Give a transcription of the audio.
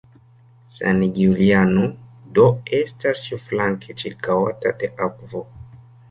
San Giuliano do estas ĉiuflanke ĉirkaŭata de akvo.